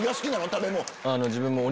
食べ物。